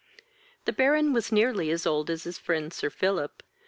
The Baron was nearly as old as his friend Sir Philip.